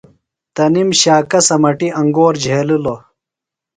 تنِم شاکہ سمٹیۡ انگور جھیلِلوۡ۔